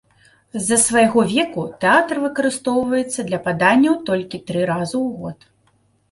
З-за свайго веку, тэатр выкарыстоўваецца для паданняў толькі тры разу ў год.